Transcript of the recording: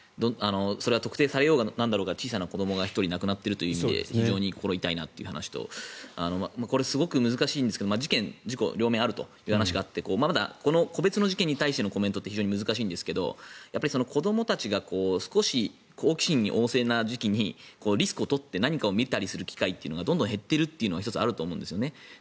それは特定されようが何だろうが小さな子どもが１人亡くなっているということで非常に心が痛いなという話とこれ、すごく難しいんですけど事件・事故両面があるという話があって個別の事件に対するコメントって難しいんですけど子どもたちが少し好奇心旺盛な時期にリスクを取って何かを見たりする機会がどんどん減っているというのはあると思うんです。